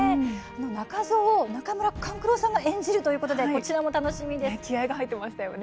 仲蔵を中村勘九郎さんが演じるということで楽しみですね。